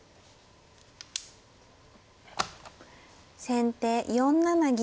先手４七銀。